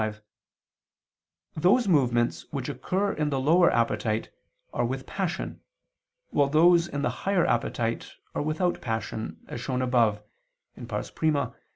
5), those movements which occur in the lower appetite, are with passion, while those in the higher appetite are without passion, as shown above (I, Q.